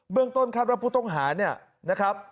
ต้นคาดว่าผู้ต้องหาเนี่ยนะครับ